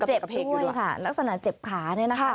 เจ็บด้วยค่ะลักษณะเจ็บขาเนี่ยนะคะ